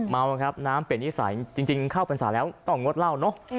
เมาครับน้ำเปลี่ยนนิสัยจริงเข้าพรรษาแล้วต้องงดเหล้าเนอะ